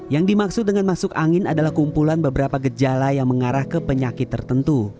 yang dimaksud dengan masuk angin adalah kumpulan beberapa gejala yang mengarah ke penyakit tertentu